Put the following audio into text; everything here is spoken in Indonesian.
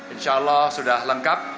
insya allah sudah lengkap